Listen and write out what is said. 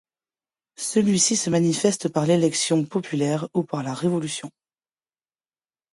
Celui-ci se manifeste par l’élection populaire ou par la révolution.